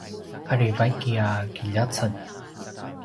ari vaiki a kiljaceng